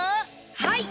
はい。